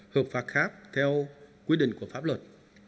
hợp pháp khác theo quy định của pháp luật